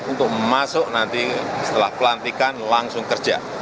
untuk masuk nanti setelah pelantikan langsung kerja